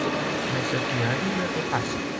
Mais ce qui arrive le dépasse.